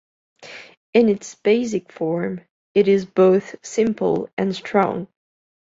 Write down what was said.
In its basic form it is both simple and strong.